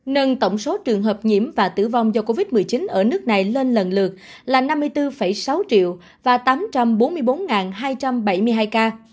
nâng tổng số trường hợp nhiễm và tử vong do covid một mươi chín ở nước này lên lần lượt là năm mươi bốn sáu triệu và tám trăm bốn mươi bốn hai trăm bảy mươi hai ca